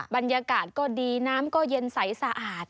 บรรยากาศก็ดีน้ำก็เย็นใสสะอาด